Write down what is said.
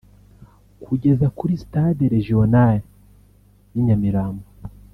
kugeza kuri Stade Regional y’i Nyamirambo